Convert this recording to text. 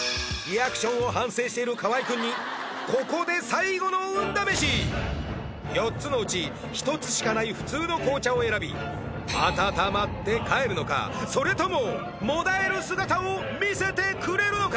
している河合君にここで４つのうち１つしかない普通の紅茶を選び温まって帰るのかそれとももだえる姿を見せてくれるのか？